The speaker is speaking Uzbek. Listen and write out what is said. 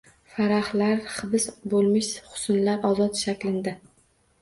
Farahlar hibs boʻlmish huznlar ozod shaklinda